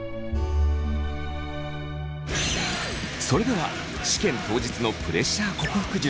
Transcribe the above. それでは試験当日のプレッシャ−克服術